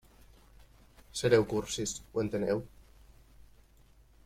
Sereu cursis, ho enteneu?